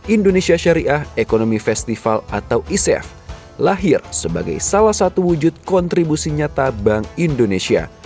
indonesia syariah ekonomi festival atau icf lahir sebagai salah satu wujud kontribusi nyata bank indonesia